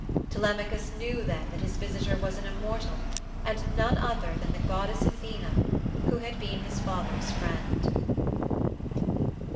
Telemachus knew then that his visitor was an immortal and no other than the goddess Athene who had been his father's friend.